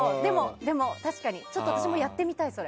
でも、確かに私もちょっとやってみたい、それ。